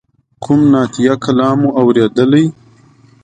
کوم نعتیه کلام مو اوریدلی.